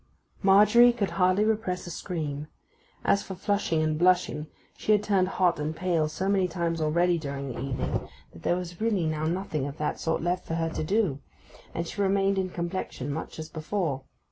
Margery could hardly repress a scream. As for flushing and blushing, she had turned hot and turned pale so many times already during the evening, that there was really now nothing of that sort left for her to do; and she remained in complexion much as before.